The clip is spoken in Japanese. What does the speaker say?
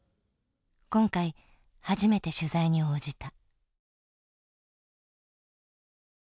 今回初めて取材に応じた。